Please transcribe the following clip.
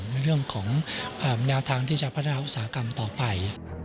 ในเรื่องของแนวทางที่จะพัฒนาอุตสาหกรรมต่อไป